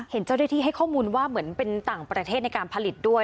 เห็นเจ้าหน้าที่ให้ข้อมูลว่าเหมือนเป็นต่างประเทศในการผลิตด้วย